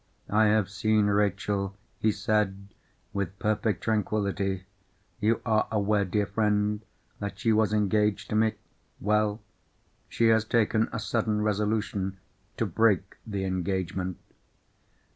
"I have seen Rachel," he said with perfect tranquillity. "You are aware, dear friend, that she was engaged to me? Well, she has taken a sudden resolution to break the engagement.